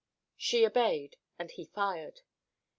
She obeyed and he fired.